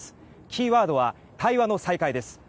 キーワードは対話の再開です。